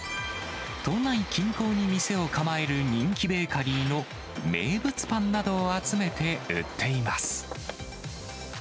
都内近郊に店を構える人気ベーカリーの名物パンなどを集めて売っています。